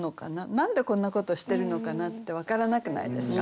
何でこんなことしてるのかなって分からなくないですか？